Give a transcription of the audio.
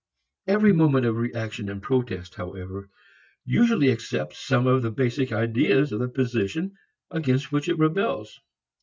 Every moment of reaction and protest, however, usually accepts some of the basic ideas of the position against which it rebels.